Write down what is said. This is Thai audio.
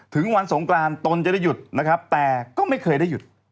ถึงวันสงกรานตนจะได้หยุดนะครับแต่ก็ไม่เคยได้หยุด